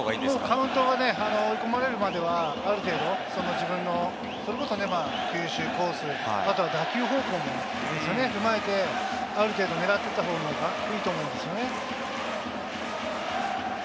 カウントが追い込まれるまでは球種、コース、または打球方向ですね、踏まえて、ある程度、狙っていった方がいいと思うんですよね。